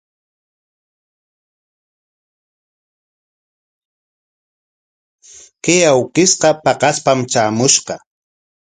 Kay awkishqa paqaspam traamushqa.